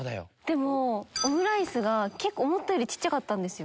でもオムライスが思ったより小っちゃかったんですよ。